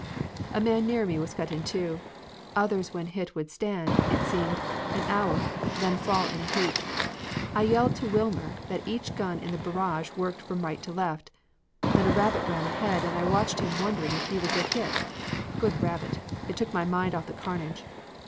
A man near me was cut in two. Others when hit would stand, it seemed, an hour, then fall in a heap. I yelled to Wilmer that each gun in the barrage worked from right to left, then a rabbit ran ahead and I watched him wondering if he would get hit. Good rabbit it took my mind off the carnage.